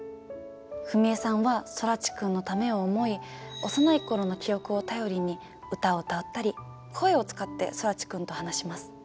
史恵さんは空知くんのためを思い幼い頃の記憶を頼りに歌を歌ったり声を使って空知くんと話します。